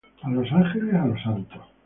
a los ángeles, a los santos